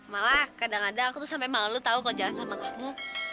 malah kadang kadang aku tuh sampai malu tahu kalau jalan sama kamu